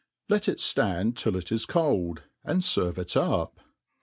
Let it ftartd till it ii cold, and fervc^ it up.